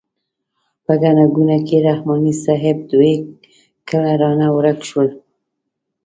په ګڼه ګوڼه کې رحماني صیب دوی کله رانه ورک شول.